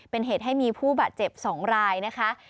เป็นเหตุให้มีผู้บาดเจ็บ๒รายนะคะ